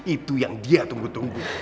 itu yang dia tunggu tunggu